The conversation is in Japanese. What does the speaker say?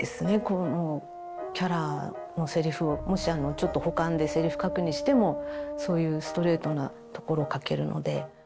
このキャラのセリフをもしちょっと補完でセリフ書くにしてもそういうストレートなところを書けるので。